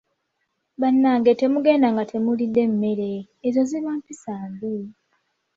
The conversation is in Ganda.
Bannange temugenda nga temulidde mmere, ezo ziba mpisa mbi.